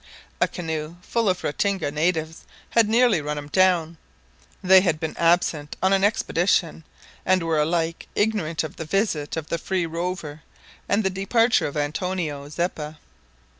A canoe full of Ratinga natives had nearly run him down. They had been absent on an expedition, and were alike ignorant of the visit of the Free Rover and the departure of Antonio Zeppa.